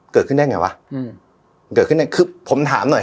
เกิดขึ้นได้ไงวะอืมเกิดขึ้นได้คือผมถามหน่อย